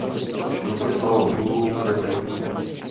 Několik málo druhů kvete žlutě.